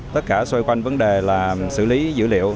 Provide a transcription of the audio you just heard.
tất cả xoay quanh vấn đề là xử lý dữ liệu